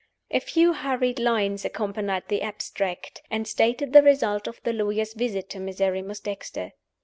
A few hurried lines accompanied the "abstract," and stated the result of the lawyer's visit to Miserrimus Dexter.